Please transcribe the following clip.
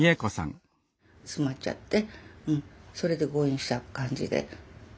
詰まっちゃってそれで誤えんした感じで。